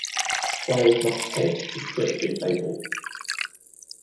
Players must head the trick if able.